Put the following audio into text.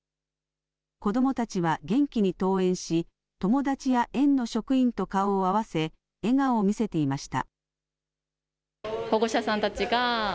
子どもたちは元気に登園し、友達や園の職員と顔を合わせ、笑顔を見せていました。